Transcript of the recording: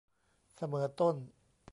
เสมอต้น